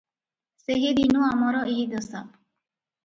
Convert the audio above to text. ସେହିଦିନୁ ଆମର ଏହି ଦଶା ।